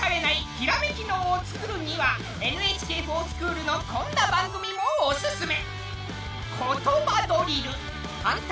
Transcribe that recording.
ひらめき脳をつくるには「ＮＨＫｆｏｒＳｃｈｏｏｌ」のこんな番組もおすすめ。